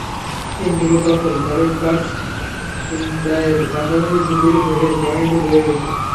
কেন্দ্র দখল, ballot box ছিনতাইয়ের পাশাপাশি ভুতুড়ে ভোটের টর্নেডো বয়ে গেছে।